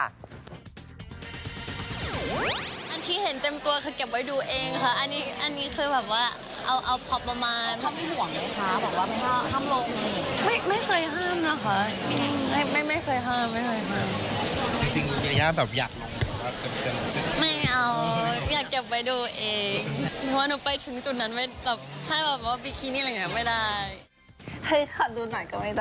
อันที่เห็นเต็มตัวคือเก็บไว้ดูเองค่ะ